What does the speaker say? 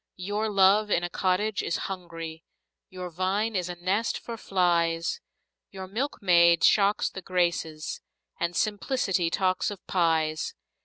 Your love in a cottage is hungry, Your vine is a nest for flies Your milkmaid shocks the Graces, And simplicity talks of pies!